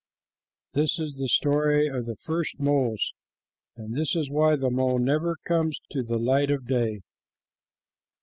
This is the story of the first moles, and this is why the mole never comes to the light of day.